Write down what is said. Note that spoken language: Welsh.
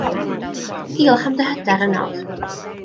Diolch am dy hyder ynof.